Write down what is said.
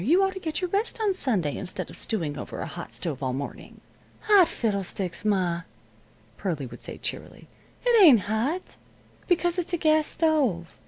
You ought to get your rest on Sunday instead of stewing over a hot stove all morning." "Hot fiddlesticks, ma," Pearlie would say, cheerily. "It ain't hot, because it's a gas stove.